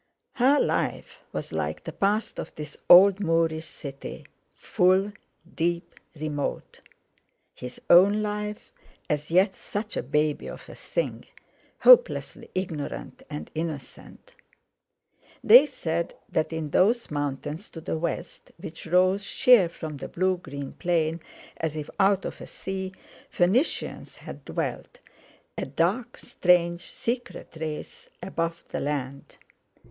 Her life was like the past of this old Moorish city, full, deep, remote—his own life as yet such a baby of a thing, hopelessly ignorant and innocent! They said that in those mountains to the West, which rose sheer from the blue green plain, as if out of a sea, Phoenicians had dwelt—a dark, strange, secret race, above the land!